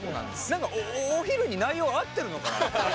何かお昼に内容合ってるのかな？